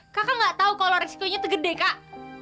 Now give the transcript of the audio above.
kakak gak tahu kalau resikonya itu gede kak